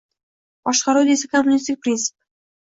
boshqaruvda esa kommunistik prinsip.